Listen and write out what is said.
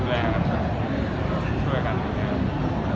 แล้วก็กันให้กันอย่างนี้ครับ